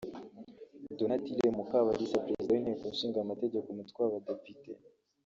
Donatille Mukabalisa Perezida w’inteko ishinga amategeko umutwe w’Abadepite